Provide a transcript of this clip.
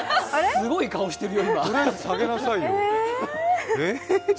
すごい顔してるよ、今。